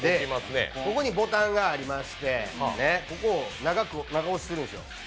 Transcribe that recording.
ここにボタンがありましてここを長押しするんですよ